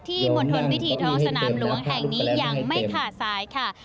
มณฑลพิธีท้องสนามหลวงแห่งนี้ยังไม่ขาดสายค่ะ